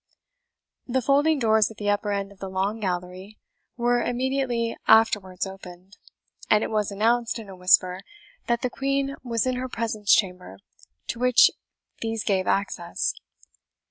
The folding doors at the upper end of the long gallery were immediately afterwards opened, and it was announced in a whisper that the Queen was in her presence chamber, to which these gave access.